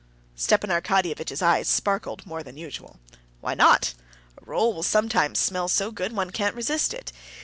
Stepan Arkadyevitch's eyes sparkled more than usual. "Why not? A roll will sometimes smell so good one can't resist it."